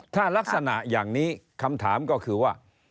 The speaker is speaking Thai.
ถ้ารักษณะอย่างนี้คำถามก็คือว่า